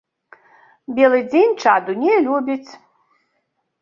Белы дзень чаду не любіць.